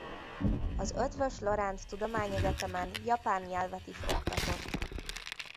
Az Eötvös Loránd Tudományegyetemen japán nyelvet is oktatott.